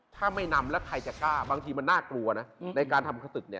ถ้าไม่นำแล้วใครจะกล้าบางทีมันน่ากลัวนะในการทำขตึกเนี่ย